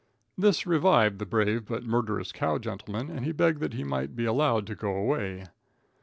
This revived the brave but murderous cow gentleman, and he begged that he might be allowed to go away.